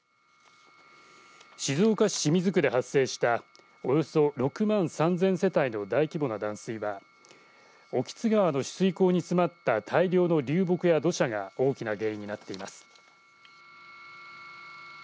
静岡市清水区で発生したおよそ６万３０００世帯の大規模な断水は興津川の取水口に詰まった大量の流木や土砂が大きな原因になっています。